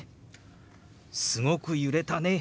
「すごく揺れたね」。